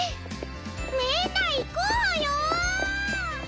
みんな行こうよ！